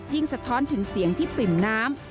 สะท้อนถึงเสียงที่ปริ่มน้ำ